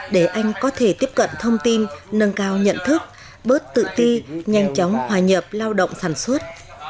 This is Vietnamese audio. để anh có thể tiếp cận thông tin nâng cao nhận thức bớt tự ti nhanh chóng hòa nhập lao động sản xuất